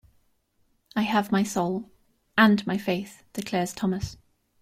"I have my soul...and my faith," declares Thomas.